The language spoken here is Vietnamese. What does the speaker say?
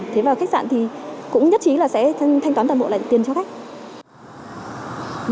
thế vào khách sạn thì cũng nhất trí là sẽ thanh toán tầm bộ lại tiền cho khách